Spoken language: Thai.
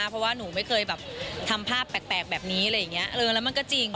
เพราะว่าหนูไม่เคยแบบทำภาพแปลกแบบนี้อะไรอย่างนี้แล้วมันก็จริง